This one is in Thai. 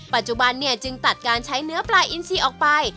ปัจจุบันเนี่ยจึงตัดการใช้เนื้อปลาอินซีออกไป